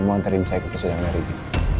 kamu nantarin saya ke persidangan dari riki